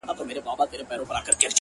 • د هغه مغفور روح ته دعا کوم ,